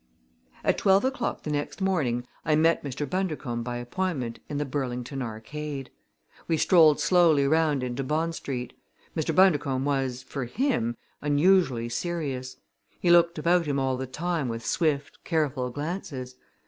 At twelve o'clock the next morning I met Mr. Bundercombe by appointment in the Burlington Arcade. We strolled slowly round into Bond Street. Mr. Bundercombe was, for him, unusually serious. He looked about him all the time with swift, careful glances.